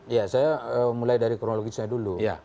ya saya mulai dari kronologisnya dulu